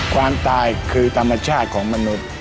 ความตายคือธรรมชาติของมนุษย์